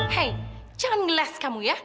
hei jangan ngeles kamu ya